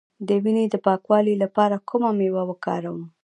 د وینې د پاکوالي لپاره کومه میوه وکاروم؟